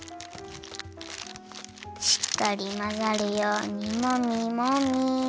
しっかりまざるようにもみもみ。